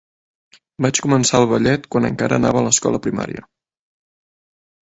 Vaig començar el ballet quan encara anava a l'escola primària.